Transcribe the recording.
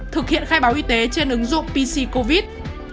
thực hiện khai báo y tế trên ứng dụng pc covid